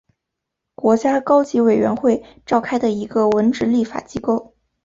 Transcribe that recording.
国家高级委员会召开的一个文职立法机构。